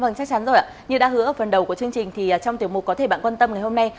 vâng chắc chắn rồi ạ như đã hứa ở phần đầu của chương trình thì trong tiểu mục có thể bạn quan tâm ngày hôm nay